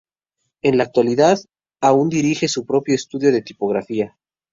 En la actualidad, aún dirige su propio estudio de tipografía.